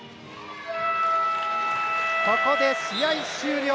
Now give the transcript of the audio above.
ここで試合終了。